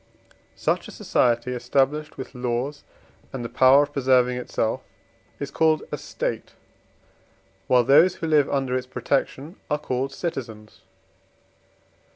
Such a society established with laws and the power of preserving itself is called a State, while those who live under its protection are called citizens.